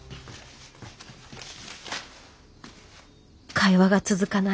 会話が続かない。